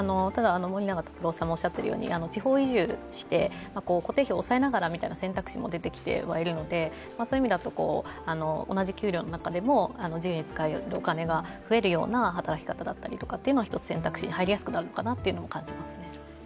ただ、森永卓郎さんもおっしゃっているように地方移住して固定費を抑えながらという選択肢も出てきているのでそういう意味だと、同じ給料の中でも、自由に使えるお金が増えるような働き方だったりとか一つ選択肢に入りやすくなってくるのかなと感じますね。